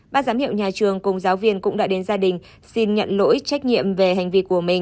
bác giám hiệu nhà trường cùng giáo viên cũng đã đến gia đình xin nhận lỗi trách nhiệm về hành vi của mình